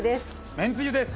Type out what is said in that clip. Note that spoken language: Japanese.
めんつゆです！